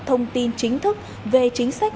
thông tin chính thức về chính sách